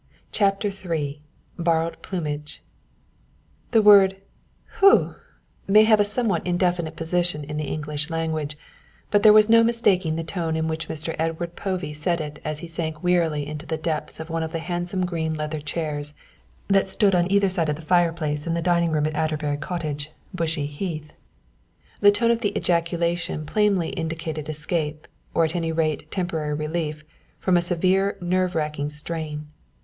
CHAPTER III BORROWED PLUMAGE The word phew may have a somewhat indefinite position in the English language, but there was no mistaking the tone in which Mr. Edward Povey said it as he sank wearily into the depths of one of the handsome green leather chairs that stood on either side of the fireplace in the dining room at Adderbury Cottage, Bushey Heath. The tone of the ejaculation plainly indicated escape, or at any rate temporary relief from a severe nerve racking strain.